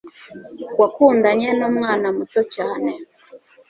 wakundanye numwana muto cyane